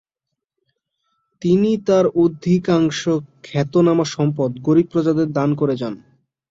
তিনি তার অধিকাংশ খ্যাতনামা সম্পদ গরিব প্রজাদের দান করে যান।